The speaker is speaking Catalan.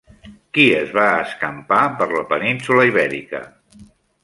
Qui es va escampar per la península Ibèrica?